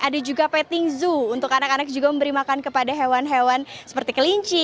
ada juga petting zoo untuk anak anak juga memberi makan kepada hewan hewan seperti kelinci